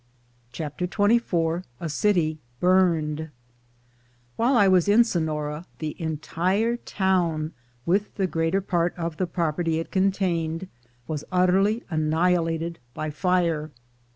CHAPTER XXIV A CITY BURNED WHILE I was in Sonora, the entire town, with the greater part of the property it contained, was utterly annihilated by fire.